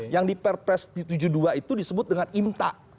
yang di perpres tujuh puluh dua itu disebut dengan imta